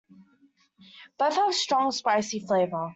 Both have strong spicy flavour.